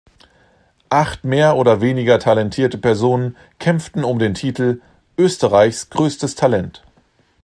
Acht mehr oder weniger talentierte Personen kämpften um den Titel "Österreichs größtes Talent".